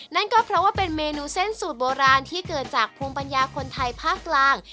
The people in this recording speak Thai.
นั่นก็เพราะว่าเป็นเมนูเส้นสูตรโบราณที่เกิดจากภูมิปัญญาคนไทยภาคกลาง